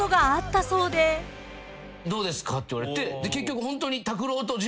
「どうですか？」って言われて結局ホントに。